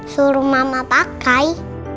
suruh mama pakai